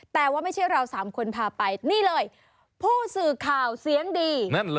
แต่ว่าไม่ใช่เราสามคนพาไปนี่เลยผู้สื่อข่าวเสียงดี